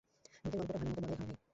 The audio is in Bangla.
ভূতের গল্পটা ভালোমতো বলা হয় নাই।